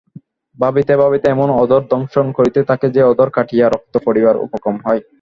ভাবিতে ভাবিতে এমন অধর দংশন করিতে থাকে যে অধর কাটিয়া রক্ত পড়িবার উপক্রম হয়।